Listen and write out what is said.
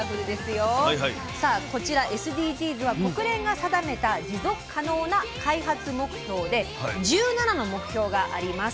さあこちらＳＤＧｓは国連が定めた持続可能な開発目標で１７の目標があります。